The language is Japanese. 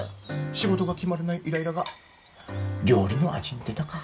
仕事が決まらないイライラが料理の味に出たか。